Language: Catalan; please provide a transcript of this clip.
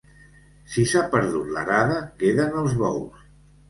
Si s'ha perdut l'arada, queden els bous.